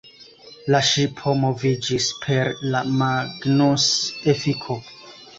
La ŝipo moviĝis per la Magnus-efiko.